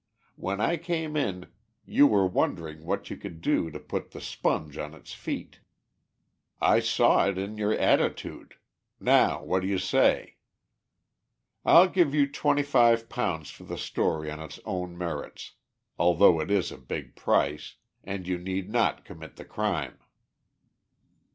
When I came in, you were wondering what you could do to put the Sponge on its feet. I saw it in your attitude. Now, what do you say?" "I'll give you £25 for the story on its own merits, although it is a big price, and you need not commit the crime."